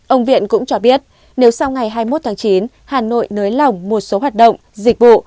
ông viện cũng cho biết nếu sau ngày hai mươi một tháng chín hà nội nới lỏng một số hoạt động dịch vụ